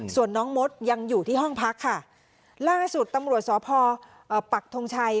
ส่วนน้องมดยังอยู่ที่ห้องพักค่ะล่าสุดตำรวจสพปักทงชัย